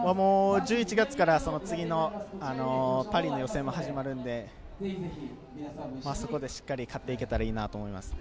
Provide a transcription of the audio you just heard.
１１月から次のパリの予選も始まるので、そこでしっかり勝っていけたらいいなと思います。